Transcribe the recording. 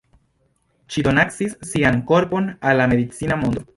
Ŝi donacis sian korpon al la medicina mondo.